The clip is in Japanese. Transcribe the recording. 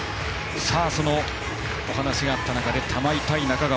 そのお話があった中で玉井対中川。